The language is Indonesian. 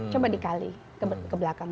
coba dikali ke belakang